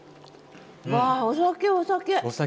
わあお酒お酒。